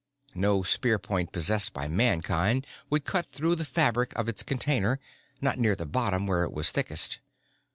No spear point possessed by Mankind would cut through the fabric of its container, not near the bottom where it was thickest.